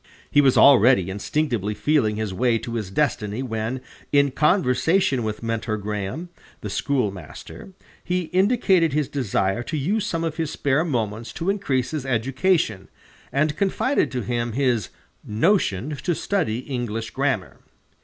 He was already instinctively feeling his way to his destiny when, in conversation with Mentor Graham, the schoolmaster, he indicated his desire to use some of his spare moments to increase his education, and confided to him his "notion to study English grammar."